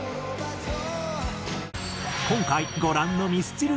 今回ご覧のミスチル